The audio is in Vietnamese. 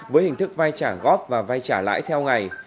với hình thức vay trả góp và vay trả lãi theo ngày